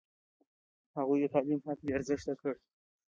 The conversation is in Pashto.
هغوی د تعلیم حق بې ارزښته کړ.